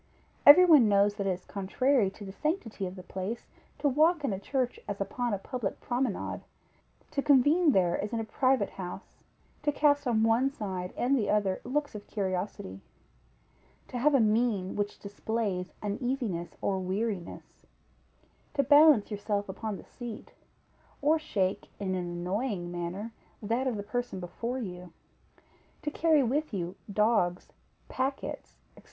Every one knows that it is contrary to the sanctity of the place, to walk in a church as upon a public promenade; to convene there as in a private house; to cast on one side and the other looks of curiosity; to have a mien which displays uneasiness or weariness; to balance yourself upon the seat, or shake in an annoying manner that of the person before you; to carry with you dogs, packets, &c.